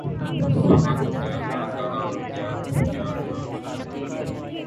سہا تو کیا نہ سہا اور کیا تو کیا نہ کیا